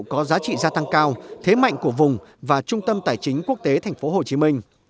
có giá trị gia tăng cao thế mạnh của vùng và trung tâm tài chính quốc tế tp hcm